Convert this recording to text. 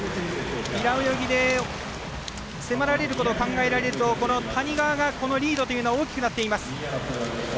平泳ぎで迫られることを考えると谷川のリードというのは大きくなっています。